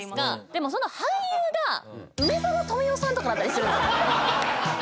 でもその俳優が梅沢富美男さんとかだったりするんですよ。